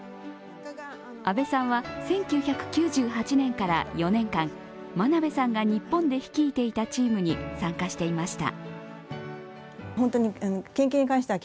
阿部さんは１９９８年から４年間、真鍋さんが日本で率いていたチームに参加していました。